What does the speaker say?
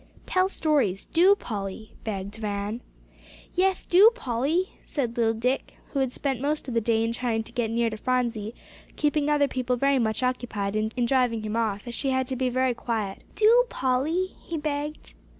"Tell stories, do, Polly," begged Van. "Yes, do, Polly," said little Dick, who had spent most of the day in trying to get near to Phronsie, keeping other people very much occupied in driving him off, as she had to be very quiet. "Do, Polly," he begged.